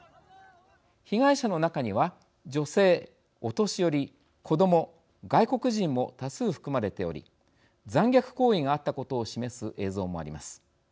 被害者の中には女性、お年寄り、子ども外国人も多数含まれており残虐行為があったことを示す映像もあります。